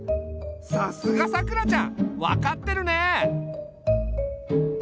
さすがさくらちゃん分かってるねえ！